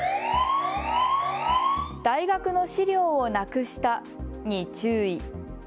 大学の資料をなくしたに注意。